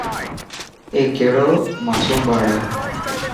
اي ڪهڙو ماصوم ٻاڙ هي.